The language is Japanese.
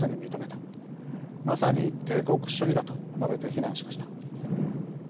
まさに帝国主義だ」と述べて非難しました。